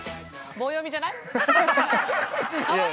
◆棒読みじゃない？